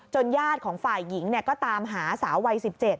ญาติของฝ่ายหญิงก็ตามหาสาววัย๑๗